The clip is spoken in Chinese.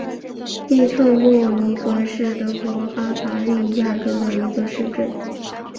蒂特莫宁格是德国巴伐利亚州的一个市镇。